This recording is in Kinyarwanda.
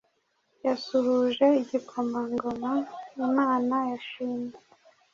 Yasuhuje -igikomangomaImana yashimye